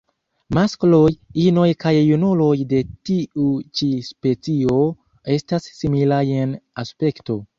Maskloj, inoj kaj junuloj de tiu ĉi specio estas similaj en aspekto.